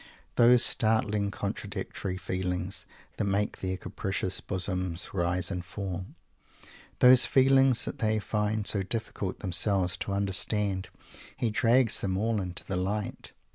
Those startling, contradictory feelings that make their capricious bosoms rise and fall, those feelings that they find so difficult themselves to understand, he drags them all into the light.